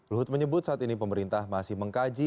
luhut menyebut saat ini pemerintah masih mengkaji